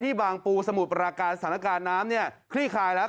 บางปูสมุทรปราการสถานการณ์น้ำเนี่ยคลี่คลายแล้ว